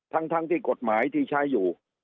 ทั้งที่กฎหมายที่ใช้อยู่